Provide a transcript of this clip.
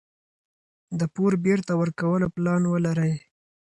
د پور بیرته ورکولو پلان ولرئ.